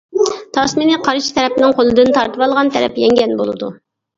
تاسمىنى قارشى تەرەپنىڭ قولىدىن تارتىۋالغان تەرەپ يەڭگەن بولىدۇ.